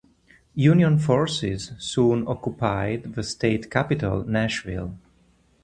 Union forces soon occupied the state capital Nashville.